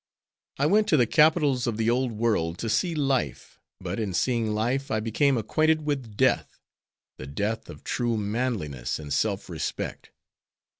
I went to the capitals of the old world to see life, but in seeing life I became acquainted with death, the death of true manliness and self respect.